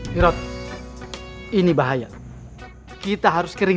hirot ini bahaya kita harus ke ring dua